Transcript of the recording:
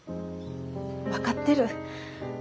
分かってる。